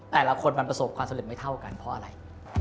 แต่ละคนมันประสบความสำเร็จไม่เท่ากันเพราะอะไร